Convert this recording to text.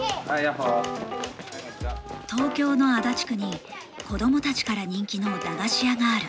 東京の足立区に子供たちから人気の駄菓子屋がある。